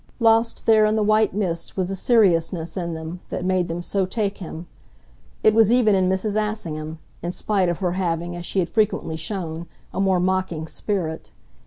Lost there in the white mist was the seriousness in them that made them so take him. It was even in Mrs. Assingham, in spite of her having, as she had frequently shown, a more mocking spirit.